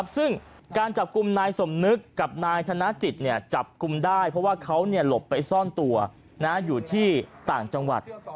ซึ่งการจับกลุ่มนายสมนึกกับนายธนจิตจับกลุ่มได้เพราะว่าเขาหลบไปซ่อนตัวอยู่ที่ต่างจังหวัด